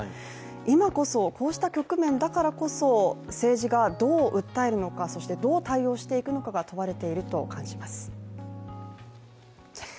今こそ、こうした局面だからこそ政治がどう訴えるのか、そしてどう対応していくのかが問われていると感じます。